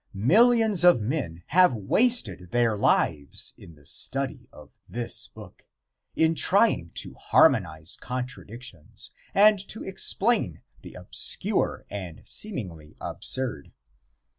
Millions of men have wasted their lives in the study of this book in trying to harmonize contradictions and to explain the obscure and seemingly absurd.